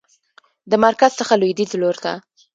د مرکز څخه لویدیځ لورته